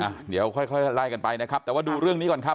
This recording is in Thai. อ่ะเดี๋ยวค่อยค่อยไล่กันไปนะครับแต่ว่าดูเรื่องนี้ก่อนครับ